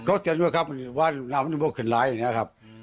เขาเตือนเร็วครับว่าน้ำมันก็ขึ้นหลายอย่างนี้ครับ